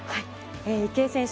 池江選手